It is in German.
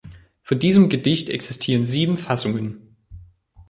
Von diesem Gedicht existieren sieben Fassungen.